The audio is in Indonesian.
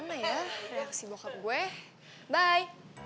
gimana ya reaksi bokap gue bye